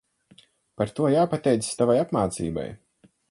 Par to jāpateicas tavai apmācībai.